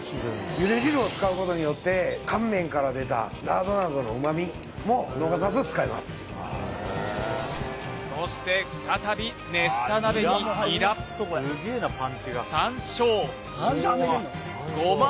茹で汁を使うことによって乾麺から出たラードなどの旨味も残さず使えますそして再び熱した鍋にニラ山椒ごま